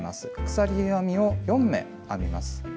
鎖編みを４目編みます。